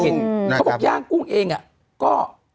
เขาบอกย่างกุ้งเองก็